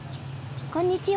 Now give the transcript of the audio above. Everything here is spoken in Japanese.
こんにちは。